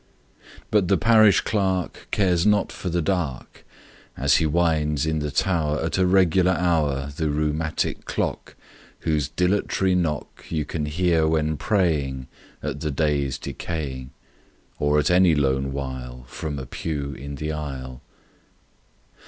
But the parish clerk Cares not for the dark As he winds in the tower At a regular hour The rheumatic clock, Whose dilatory knock You can hear when praying At the day's decaying, Or at any lone while From a pew in the aisle.